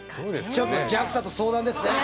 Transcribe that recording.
ちょっとＪＡＸＡと相談ですね。